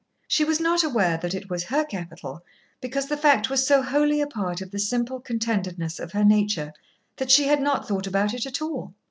She was not aware that it was her capital, because the fact was so wholly a part of the simple contentedness of her nature that she had not thought about it at all.